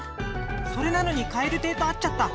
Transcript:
それなのにカエルテイと会っちゃった。